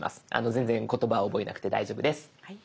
全然言葉覚えなくて大丈夫です。